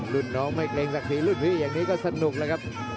รุ่นน้องไม่เกร็งสักสีลูกพี่อย่างนี้ก็สนุกล่ะครับ